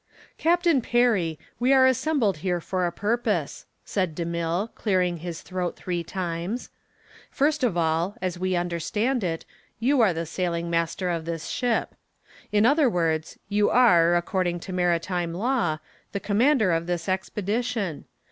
"Captain Perry, we are assembled here for a purpose," said DeMille, clearing his throat three times. "First of all, as we understand it, you are the sailing master of this ship. In other words, you are, according to maritime law, the commander of this expedition.